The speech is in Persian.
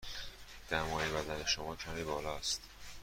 دمای بدن شما کمی بالا است.